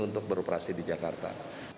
untuk beroperasi di jakarta